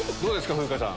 風花さん。